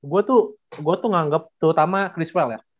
gue tuh nganggep terutama chris well ya